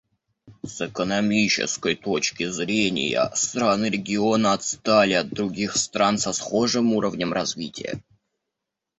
С экономической точки зрения страны региона отстали от других стран со схожим уровнем развития.